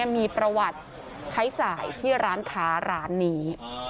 มีประวัติใช้จ่ายที่ร้านค้าร้านนี้